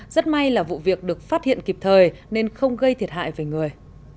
rất may là vụ việc được phát hiện kịp thời nên không gây thiệt hại về người